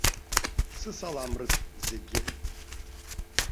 Сысалам рыҭ зегьы.